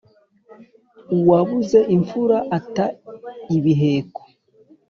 Uwabuze imfura ata ibiheko.